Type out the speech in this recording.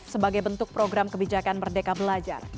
sebagai bentuk program kebijakan merdeka belajar